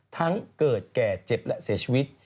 ทั้งเกิดแก่เจ็บและเสียชีวิต